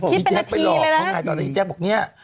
พี่แจ๊คไปหลอกเขาไงตอนนั้นอีแจ๊คบอกเนี่ย